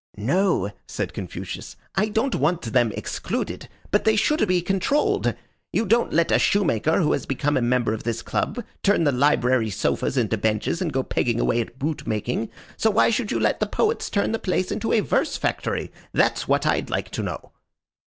"No," said Confucius. "I don't want them excluded, but they should be controlled. You don't let a shoemaker who has become a member of this club turn the library sofas into benches and go pegging away at boot making, so why should you let the poets turn the place into a verse factory? That's what I'd like to know."